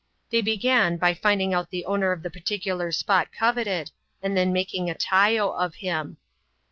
They b^an, by finding out the owner of the particular spot coveted, and then making a " tayo " of him.